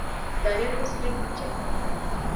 ދަރިންވެސް ލިބިއްޖެ